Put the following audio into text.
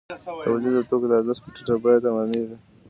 تولید د توکو د ارزښت په ټیټه بیه تمامېږي